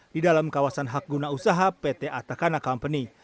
di dalam kawasan hak guna usaha pt atakana company